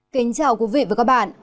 kính chào quý vị và các bạn